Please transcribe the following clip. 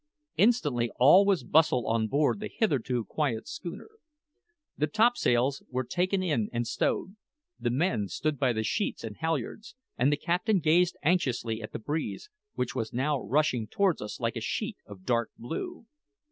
Instantly all was bustle on board the hitherto quiet schooner. The topsails were taken in and stowed, the men stood by the sheets and halyards, and the captain gazed anxiously at the breeze, which was now rushing towards us like a sheet of dark blue.